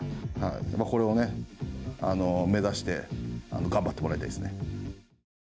これを目指して頑張ってもらいたいですね。